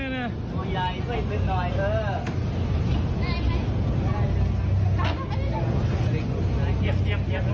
เกียรติเลี้ยม